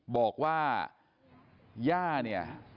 บอกว่าย่าเนี่ย